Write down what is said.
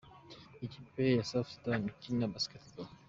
Ikipe ya South Sudan ikina Basketball.